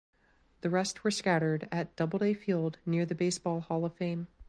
The rest were scattered at Doubleday Field near the Baseball Hall of Fame.